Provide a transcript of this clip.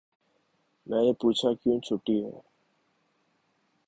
میں نے پوچھا کیوں چھٹی ہے